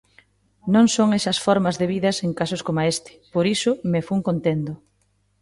non son esas formas debidas en casos coma este, por iso me fun contendo.